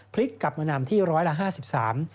พลิกกลับมานำที่๑๕๓ล้านคน